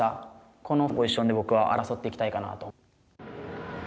このポジションで僕は争っていきたいかなと。